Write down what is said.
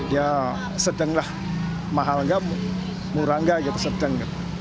ya sedang lah mahal gak murah gak gitu sedang